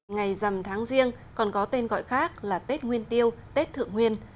ngày dằm tháng riêng còn có tên gọi khác là tết nguyên tiêu tết thượng nguyên